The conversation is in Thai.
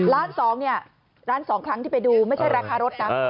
ล้านสองเนี่ยล้านสองครั้งที่ไปดูไม่ใช่ราคารถนะ